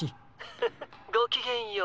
☎フフッごきげんよう。